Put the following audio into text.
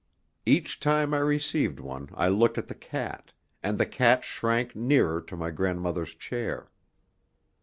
Each time I received one I looked at the cat, and the cat shrank nearer to my grandmother's chair.